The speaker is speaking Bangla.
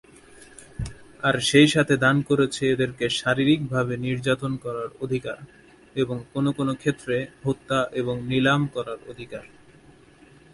আর সেই সাথে দান করেছে এদেরকে শারীরিকভাবে নির্যাতন করার অধিকার, এবং কোন কোন ক্ষেত্রে হত্যা এবং নিলাম করার অধিকার।